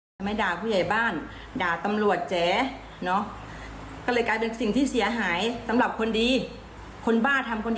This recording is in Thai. ตอนนี้ก็เกือบจะบ้าทั้งพี่ทั้งน้องบ้าหมดทุกคนบ้าเหล้าบ้า